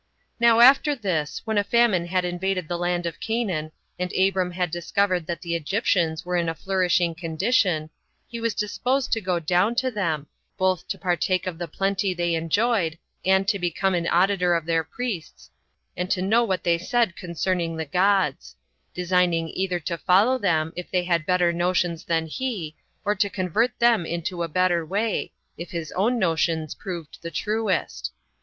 1. Now, after this, when a famine had invaded the land of Canaan, and Abram had discovered that the Egyptians were in a flourishing condition, he was disposed to go down to them, both to partake of the plenty they enjoyed, and to become an auditor of their priests, and to know what they said concerning the gods; designing either to follow them, if they had better notions than he, or to convert them into a better way, if his own notions proved the truest.